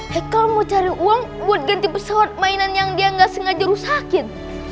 haikal mau cari uang buat ganti pesawat mainan yang dia gak sengaja rusakin